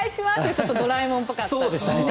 ちょっとドラえもんっぽかったですね。